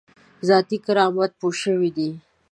ذاتي کرامت پوه شوی دی.